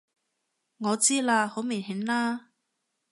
我知啦！好明顯啦！